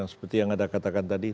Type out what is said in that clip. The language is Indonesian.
seperti yang anda katakan tadi